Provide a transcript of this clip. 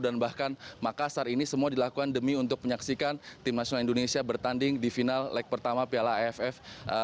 dan bahkan makassar ini semua dilakukan demi untuk menyaksikan tim nasional indonesia bertanding di final leg pertama piala aff dua ribu enam belas